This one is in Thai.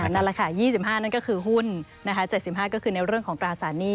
๒๕นั่นก็คือหุ้น๗๕ก็คือในเรื่องของตราศาสตร์นี้